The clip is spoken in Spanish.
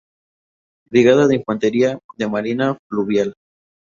Brigada de Infantería de Marina Fluvial.